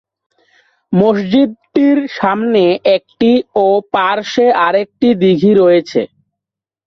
মসজিদটির সামনে একটি ও পার্শ্বে আরেকটি দিঘী রয়েছে।